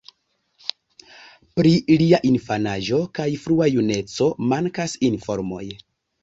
Pri lia infanaĝo kaj frua juneco mankas informoj.